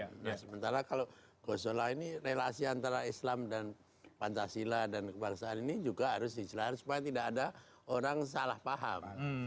nah sementara kalau gosola ini relasi antara islam dan pancasila dan kebangsaan ini juga harus dijelaskan supaya tidak ada orang salah paham